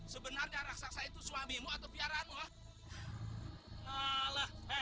sebenarnya raksasa itu suamimu atau piaraanmu